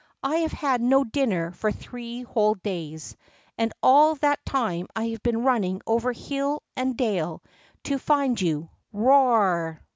I have had no dinner for three whole days, and all that time I have been running over hill and dale to find you. Ro a ar!